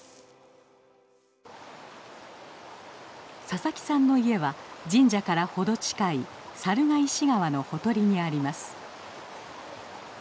佐々木さんの家は神社から程近い猿ヶ石川のほとりにあります。